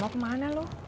mau kemana lu